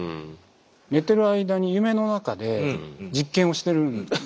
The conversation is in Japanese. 寝てる間に夢の中で実験をしてるんですよね。